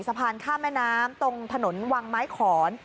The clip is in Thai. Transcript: สะพานข้ามแม่น้ำตรงถนนวังไม้ขอน